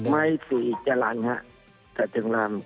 ไม้๔จรรย์ฮะ